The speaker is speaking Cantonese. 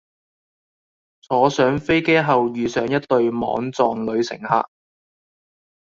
坐上飛機後遇上一對莽撞女乘客